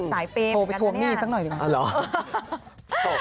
โทรไปทวงหนี้สักหน่อยดีกว่า